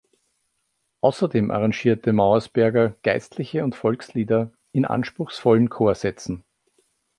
Außerdem arrangierte Mauersberger geistliche und Volkslieder in anspruchsvollen Chorsätzen.